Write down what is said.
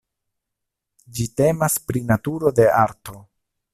Ĝi temas pri naturo de arto.